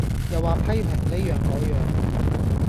又話批評哩樣個樣